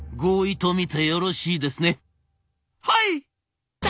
「はい！」。